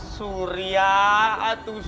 surya atuh sur